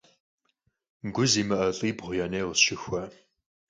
Gu zimı'e lh'ibğu ya nêy khısşıxue.